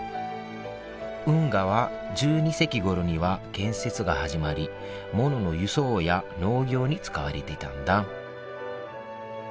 運河は１２世紀ごろには建設が始まりものの輸送や農業に使われていたんだ